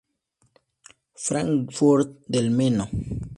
Frankfurt del Meno.